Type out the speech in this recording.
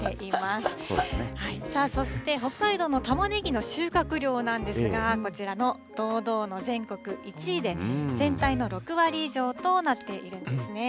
そして北海道のたまねぎの収穫量なんですが、こちらの堂々の全国１位で、全体の６割以上となっているんですね。